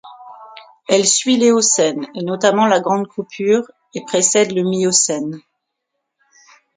Elle suit l’Éocène, et notamment la Grande Coupure, et précède le Miocène.